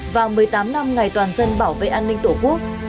và một mươi tám năm ngày toàn dân bảo vệ an ninh tổ quốc